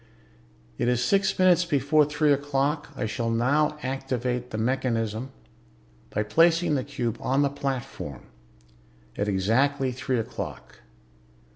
"It is six minutes before three o'clock. I shall now activate the mechanism by placing the cube on the platform at exactly three o'clock.